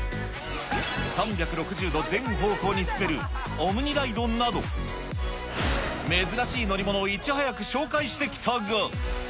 ３６０度全方向に進めるオムニライドなど、珍しい乗り物をいち早く紹介してきたが。